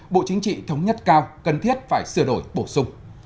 bộ chính trị thống nhất cao cần thiết phải sửa đổi bổ sung